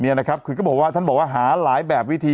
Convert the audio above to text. นี่นะครับคือก็บอกว่าท่านบอกว่าหาหลายแบบวิธี